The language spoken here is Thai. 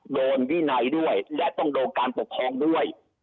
วินัยด้วยและต้องโดนการปกครองด้วย